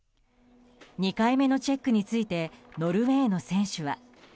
２回目のチェックについてノルウェーの選手は。